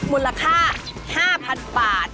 มูลค่า๕๐๐๐บาท